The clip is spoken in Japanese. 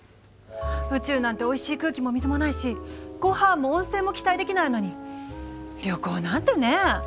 宇宙なんておいしい空気も水もないしごはんも温泉も期待できないのに旅行なんてね。